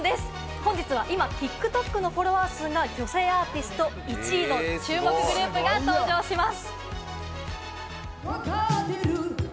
本日は今、ＴｉｋＴｏｋのフォロワー数が女性アーティスト１位の注目グループが登場します。